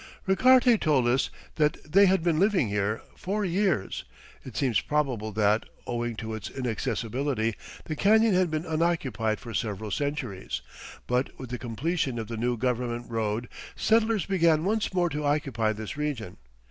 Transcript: Richarte told us that they had been living here four years. It seems probable that, owing to its inaccessibility, the canyon had been unoccupied for several centuries, but with the completion of the new government road settlers began once more to occupy this region.